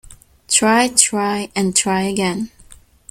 Try, try, and try again.